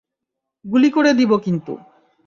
গুলি করে দিবো কিন্তু।